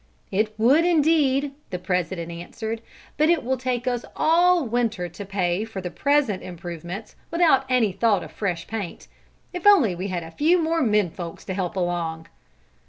"It would, indeed," the president answered; "but it will take us all winter to pay for the present improvements, without any thought of fresh paint. If only we had a few more men folks to help along!"